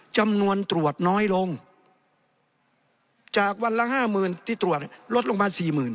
จากวันละ๕๐๐๐๐ที่ตรวจลดลงมา๔๐๐๐๐